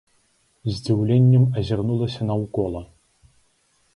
З здзіўленнем азірнулася наўкола.